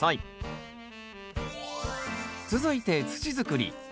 続いて土づくり。